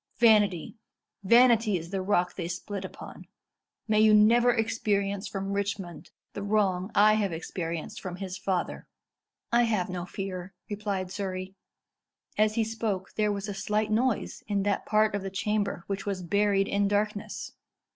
Vanity vanity is the rock they split upon. May you never experience from Richmond the wrong I have experienced from his father." "I have no fear," replied Surrey. As he spoke, there was a slight noise in that part of the chamber which was buried in darkness.